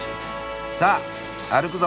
さあ歩くぞ！